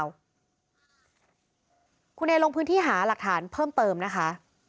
คุณเอลงพื้นที่หาหลักฐานเพิ่มเติมนะคะ